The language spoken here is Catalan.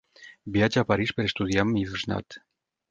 Viatja a París per estudiar amb Ives Nat.